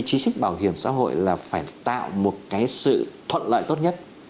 chí trích bảo hiểm xã hội là phải tạo một cái sự thuận lợi tốt nhất